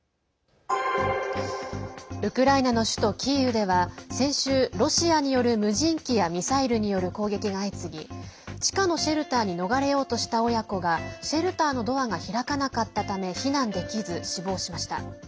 ウクライナの首都キーウでは先週ロシアによる無人機やミサイルによる攻撃が相次ぎ地下のシェルターに逃れようとした親子がシェルターのドアが開かなかったため避難できず死亡しました。